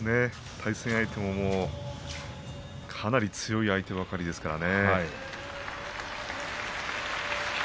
対戦相手も、かなり強い相手ばかりですからね。